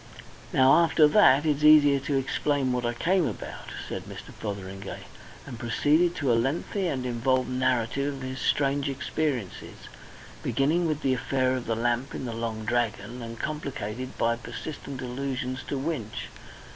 "Now, after that it's easier to explain what I came about," said Mr. Fotheringay; and proceeded to a lengthy and involved narrative of his strange experiences, beginning with the affair of the lamp in the Long Dragon and complicated by persistent allusions to Winch.